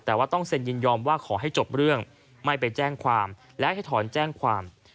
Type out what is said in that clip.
แต่ว่าต้องเซ็นยินยอมว่าขอให้จบเรื่องไม่ไปแจ้งความและให้ถอนแจ้งความ